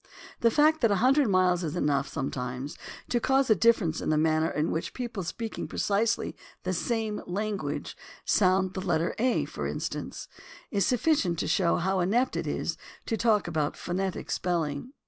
The fact that a hundred miles is enough, sometimes, to cause a difference in the manner in which people speaking precisely the same language sound the letter "a," for instance, is suffi THE ORIGIN OF CERTAIN AMERICANISMS 271 cient to show how inept it is to talk about phonetic spelling.